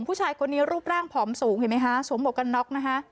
ผู้ชายคนนี้รูปร่างผอมสูงเห็นไหมคะสวมหวกกันน็อกนะคะ